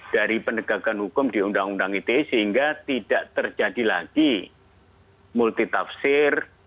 dari penegakan hukum di undang undang ite sehingga tidak terjadi lagi multitafsir